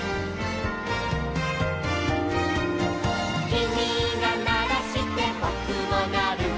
「きみがならしてぼくもなる」